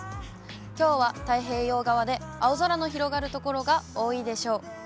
きょうは太平洋側で青空の広がる所が多いでしょう。